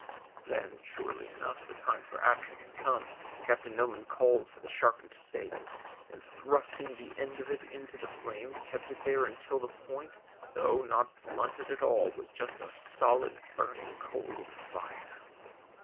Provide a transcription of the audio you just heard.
Then, surely enough, the time for action had come. Captain Noman called for the sharpened stake, and thrusting the end of it into the flames, kept it there until the point, though not blunted at all, was just a solid burning coal of fire.